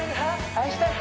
愛したい派？